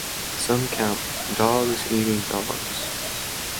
Some count "Dogs Eating Dogs".